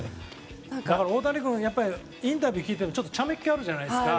大谷君インタビューを聞いてるとちょっと茶目っ気あるじゃないですか。